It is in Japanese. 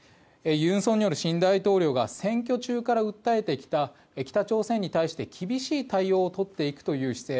尹錫悦新大統領が選挙中から訴えてきた北朝鮮に対して厳しい対応をとっていくという姿勢。